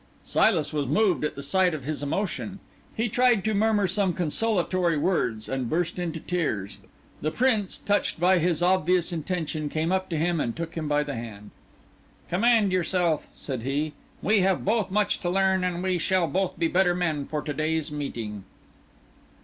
Silas was moved at the sight of his emotion. He tried to murmur some consolatory words, and burst into tears. The Prince, touched by his obvious intention, came up to him and took him by the hand. "Command yourself," said he. "We have both much to learn, and we shall both be better men for to day's meeting."